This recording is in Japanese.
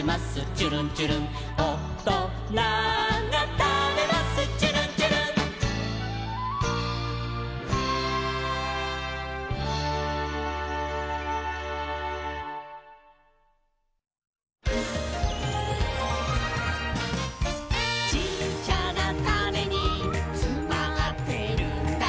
ちゅるんちゅるん」「おとながたべますちゅるんちゅるん」「ちっちゃなタネにつまってるんだ」